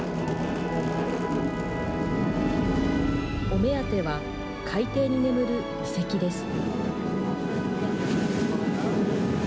お目当ては海底に眠る遺跡です。